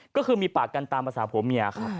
ก็คือมีปากกันตามภาษาผัวเมียครับ